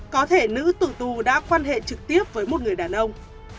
có thể nữ tử tù đã quan hệ trực tiếp với một người đàn ông